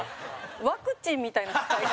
ワクチンみたいな使い方。